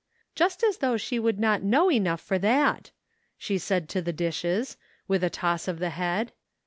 "Just as though she would not know enough for that !" she said to the dishes, with a toss of the head.